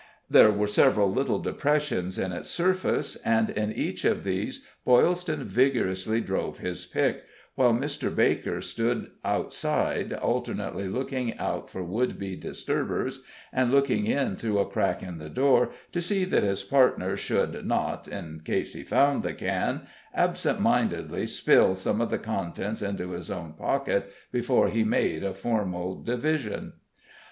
There were several little depressions in its surface, and in each of these Boylston vigorously drove his pick, while Mr. Baker stood outside alternately looking out for would be disturbers, and looking in through a crack in the door to see that his partner should not, in case he found the can, absentmindedly spill some of the contents into his own pocket before he made a formal division.